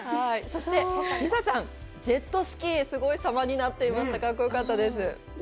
そして、リサちゃん、ジェットスキー、すごい、さまになっていました、格好よかったです。